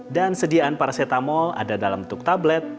dan sediaan paracetamol ada dalam bentuk tablet